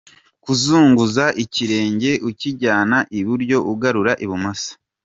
Kuzunguza ikirenge ukijyana iburyo ugarura ibumoso:.